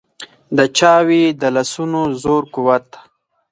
د چا وي د لاسونو زور قوت.